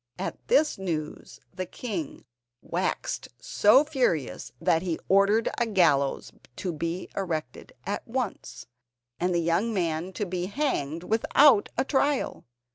At this news the king waxed so furious that he ordered a gallows to be erected at once, and the young man to be hanged without a trial.